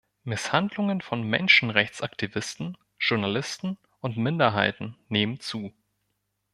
Misshandlungen von Menschenrechtsaktivisten, Journalisten und Minderheiten nehmen zu.